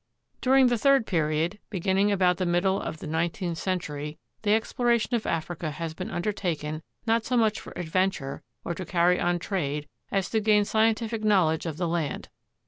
During the third period, beginning about the middle of the nineteenth century, the exploration of Africa has been under taken not so much for adventure or to carry on trade as to gain scientific knowledge of the land.